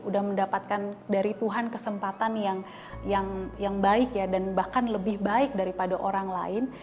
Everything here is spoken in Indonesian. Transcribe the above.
udah mendapatkan dari tuhan kesempatan yang baik ya dan bahkan lebih baik daripada orang lain